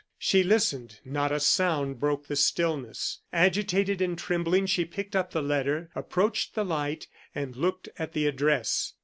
She listened; not a sound broke the stillness. Agitated and trembling she picked up the letter, approached the light, and looked at the address.